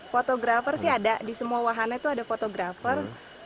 fotografer sih ada di semua wahana itu ada fotografer